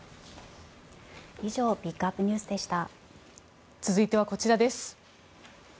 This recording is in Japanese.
以上ピックアップＮＥＷＳでした。